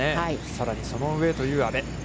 さらにその上へという阿部。